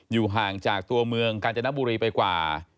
อยู่ห่างจากตัวเมืองกาญจนบุรีไปกว่า